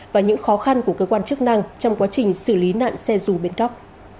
và những khó khăn của cơ quan chức năng trong quá trình xử lý nạn xe dù bến cóc